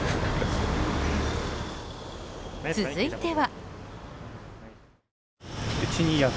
続いては。